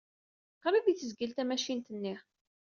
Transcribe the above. Qrib ay tezgil tamacint-nni.